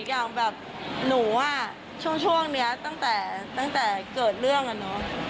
อย่างแบบหนูอ่ะช่วงนี้ตั้งแต่ตั้งแต่เกิดเรื่องอะเนาะ